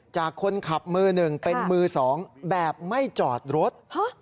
จากคนขับมือหนึ่งเป็นมือสองแบบไม่จอดรถ